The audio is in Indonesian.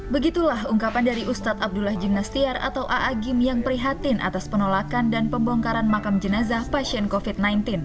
begitulah ungkapan dari ustadz abdullah jimnastiar atau ⁇ aagim ⁇ yang prihatin atas penolakan dan pembongkaran makam jenazah pasien covid sembilan belas